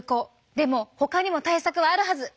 でもほかにも対策はあるはず！